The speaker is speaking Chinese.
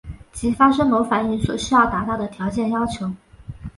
即发生某反应所需要达到的条件要求。